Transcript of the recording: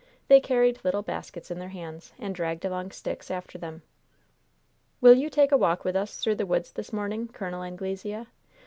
They carried little baskets in their hands and dragged along sticks after them. "Will you take a walk with us through the woods this morning, Col. Anglesea?